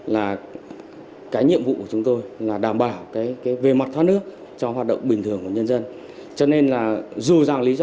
là cái nhiệm vụ của chúng tôi là đảm bảo cái về mặt thoát nước cho hoạt động bình thường của nhân dân